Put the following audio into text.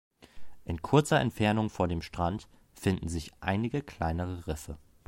In kurzer Entfernung vor dem Strand finden sich einige kleinere Riffe.